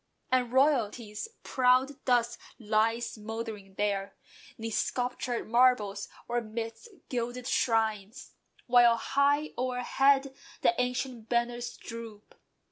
And royalty's proud dust lies mouldering there, 'Neath sculptured marbles, or midst gilded shrines: While high o'erhead the ancient banners droop.